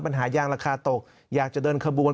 ปัญหายางราคาตกอยากจะเดินขบวน